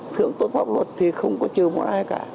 thưởng tốt pháp luật thì không có chờ mọi ai cả